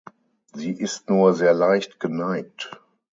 Sie ist nur sehr leicht geneigt.